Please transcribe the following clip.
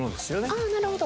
ああなるほど。